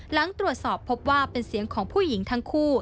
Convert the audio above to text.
หลังตรวจสอบพบว่าเป็นเสียงของผู้หญิงทั้งคู่